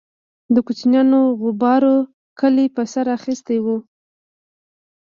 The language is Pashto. د كوچنيانو بوغارو كلى په سر اخيستى و.